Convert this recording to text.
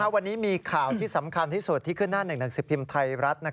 วันนี้มีข่าวที่สำคัญที่สุดที่ขึ้นหน้า๑๑๑๐พิมพ์ไทยรัฐ